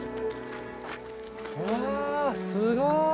うわすごい！